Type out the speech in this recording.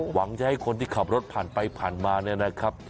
หวังจะให้คนที่ขับรถผ่านไปผ่านมาเนี่ยนะครับ